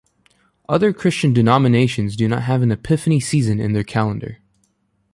Other Christian denominations do not have an Epiphany season in their kalendar.